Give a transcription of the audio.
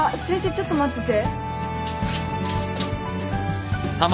ちょっと待ってて。